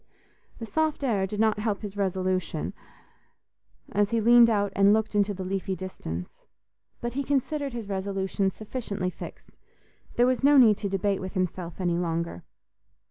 The soft air did not help his resolution, as he leaned out and looked into the leafy distance. But he considered his resolution sufficiently fixed: there was no need to debate with himself any longer.